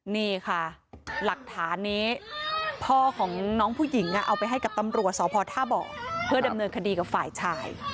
นี่ค่ะหลักฐานนี้พ่อของน้องผู้หญิงเอาไปให้กับตำรวจสพท่าเบาะเพื่อดำเนินคดีกับฝ่ายชาย